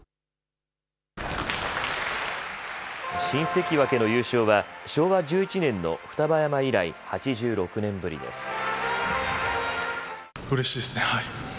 新関脇の優勝は昭和１１年の双葉山以来８６年ぶりです。